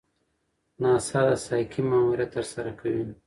ناسا د سایکي ماموریت ترسره کوي.